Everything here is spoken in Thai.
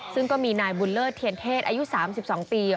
ซึ่งก็มีนายบุญเลิศเทียนเทศอายุ๓๒ปี